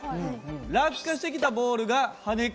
落下してきたボールが跳ね返る。